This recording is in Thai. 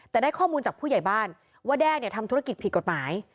แต่ได้ข้อมูลจากผู้ใหญ่บ้านว่าแด้ทำธุรกิจผิดกฎหมาย